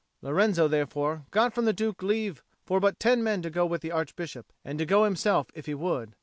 Lorenzo therefore got from the Duke leave for but ten men to go with the Archbishop, and to go himself if he would.